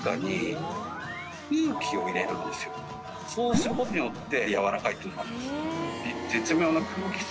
そうする事によって。